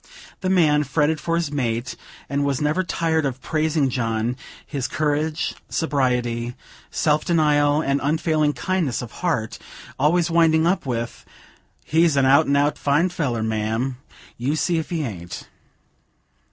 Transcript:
The man fretted for his mate, and was never tired of praising John his courage, sobriety, self denial, and unfailing kindliness of heart; always winding up with: "He's an out an' out fine feller, ma'am; you see if he aint."